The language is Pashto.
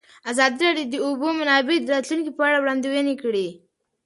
ازادي راډیو د د اوبو منابع د راتلونکې په اړه وړاندوینې کړې.